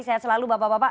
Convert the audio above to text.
sehat selalu bapak bapak